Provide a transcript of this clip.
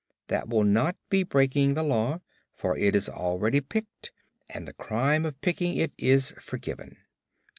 "That will not be breaking the Law, for it is already picked, and the crime of picking it is forgiven."